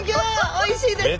おいしいですか！